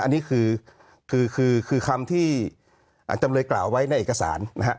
อันนี้คือคือคำที่จำเลยกล่าวไว้ในเอกสารนะฮะ